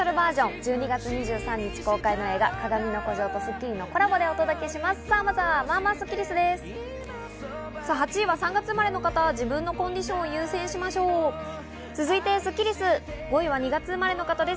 １２月２３日公開の映画『かがみの孤城』と『スッキリ』のコラボでお届けします。